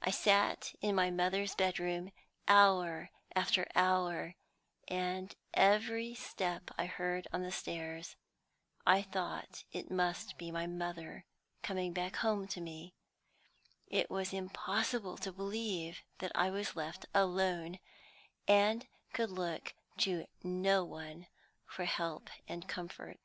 I sat in my mother's bedroom hour after hour, and, every step I heard on the stairs, I thought it must be my mother coming back home to me; it was impossible to believe that I was left alone, and could look to no one for help and comfort."